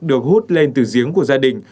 được hút lên từ giếng của gia đình